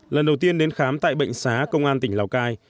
lần đầu tiên đến khám tại bệnh xá công an tỉnh lào cai